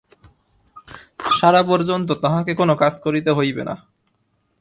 সারা পর্যন্ত তাহাকে কোনো কাজ করিতে হইবে না।